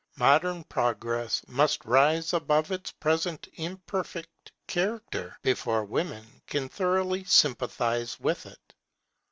Modern progress must rise above its present imperfect character, before women can thoroughly sympathize with it.